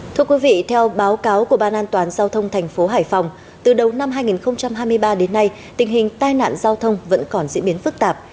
thưa quý vị theo báo cáo của ban an toàn giao thông thành phố hải phòng từ đầu năm hai nghìn hai mươi ba đến nay tình hình tai nạn giao thông vẫn còn diễn biến phức tạp